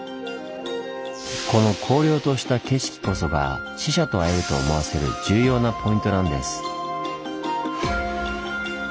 この荒涼とした景色こそが死者と会えると思わせる重要なポイントなんです。